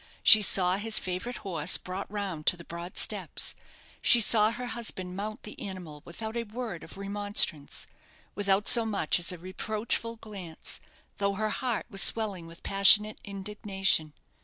She saw his favourite horse brought round to the broad steps; she saw her husband mount the animal without a word of remonstrance, without so much as a reproachful glance, though her heart was swelling with passionate indignation.